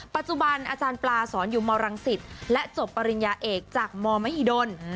ปัจจุบันอาจารย์ปลาสอนอยู่มรังสิตและจบปริญญาเอกจากมมหิดล